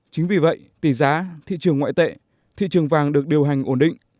chính vì vậy tỷ giá thị trường ngoại tệ thị trường vàng được điều hành ổn định